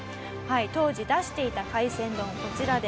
当時出していた海鮮丼こちらです。